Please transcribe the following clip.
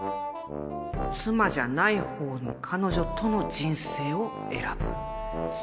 妻じゃない方の彼女との人生を選ぶ。